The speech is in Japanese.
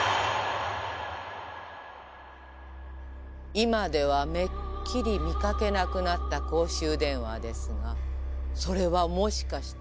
今ではめっきり見かけなくなった公衆電話ですがそれはもしかしたら